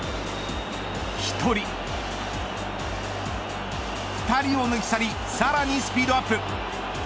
１人２人を抜き去りさらにスピードアップ。